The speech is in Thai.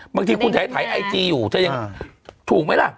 บางทีคุณถ่ายไอจีอยู่ถูกไหมล่ะ